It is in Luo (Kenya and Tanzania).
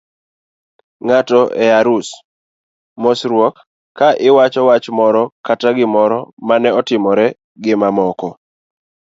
ng'ato e arus, mosruok, ka iwachoni wach moro kata gimoro mane otimore gimamoko